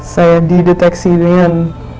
saya dideteksi dengan